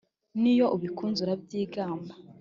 n’iyo ubikoze urabyigamba